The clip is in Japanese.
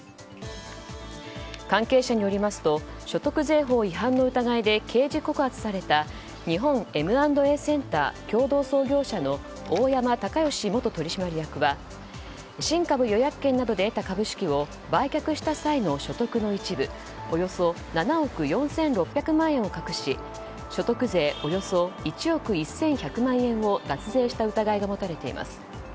関係者によりますと所得税法違反の疑いで刑事告発された日本Ｍ＆Ａセンター共同創業者の大山敬義元取締役は新株予約権などで得た株式を売却した際の所得の一部およそ７億４６００万円を隠し所得税およそ１億１１００万円を脱税した疑いが持たれています。